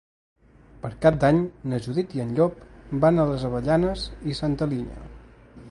Per Cap d'Any na Judit i en Llop van a les Avellanes i Santa Linya.